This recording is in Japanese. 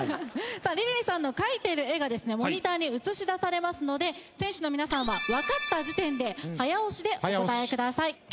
さあリリーさんの描いてる絵がモニターに映し出されますので選手の皆さんは分かった時点で早押しでお答え下さい。